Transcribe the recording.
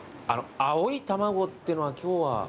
青い卵っていうのは今日は。